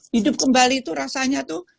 hidup kembali itu rasanya tuh